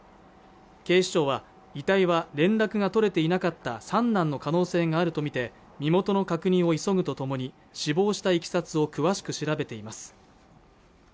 警視庁は遺体は連絡が取れていなかった三男の可能性があると見て身元の確認を急ぐとともに死亡したいきさつを詳しく調べています